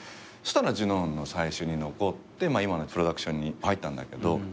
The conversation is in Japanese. そしたらジュノンの最終に残って今のプロダクションに入ったんだけど。